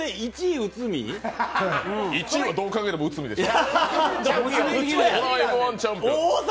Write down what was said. １位はどう考えても内海でしょ。